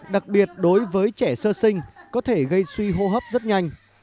đặc biệt đối với trẻ sơ sinh có thể gây suy hô hấp rất nhanh